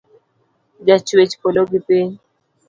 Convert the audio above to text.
Ja chwech polo gi piny.